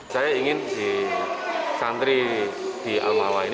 saya ingin si santri di al ma'wa ini